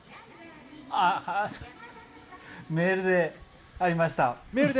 メールでありました。